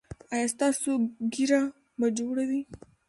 ایا ستاسو ږیره به جوړه وي؟